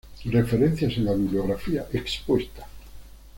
Referencias en la bibliografía expuesta.